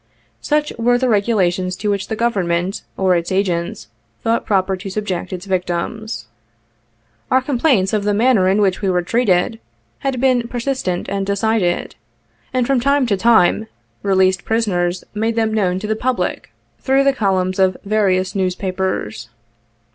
Such were the regulations to which the Government, or its agents, thought proper to subject its victims. Our complaints of the manner in which we were treated, had been persistent and decided ; and from time to time, released prisoners made them known to the public through the columns of various newspapers.